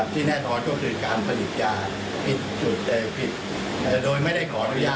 ที่แน่นอนก็คือการผลิตยาผิดจุดได้ผิด